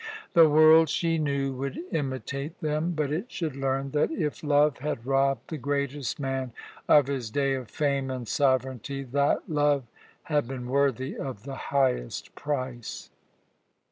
The world, she knew, would imitate them, but it should learn that if love had robbed the greatest man of his day of fame and sovereignty, that love had been worthy of the highest price.